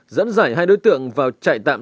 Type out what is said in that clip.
dẫn dải hai đối tượng vào trại tạm